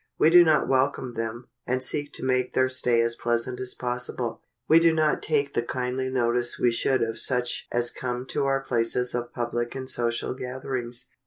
We do not welcome them, and seek to make their stay as pleasant as possible. We do not take the kindly notice we should of such as come to our places of public and social gatherings.